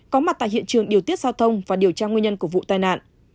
có mặt tại hiện trường điều tiết giao thông và điều tra nguyên nhân của vụ tai nạn